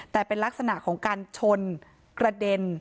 แต่เป็นลักษณะของการชนกระเด็น